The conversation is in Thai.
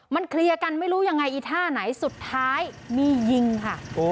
มันเคลียร์กันไม่รู้ยังไงอีท่าไหนสุดท้ายมียิงค่ะ